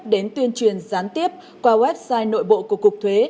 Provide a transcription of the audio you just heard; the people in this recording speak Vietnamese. đến tuyên truyền gián tiếp qua website nội bộ của cục thuế